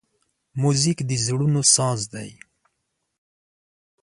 موزیک د زړونو ساز دی.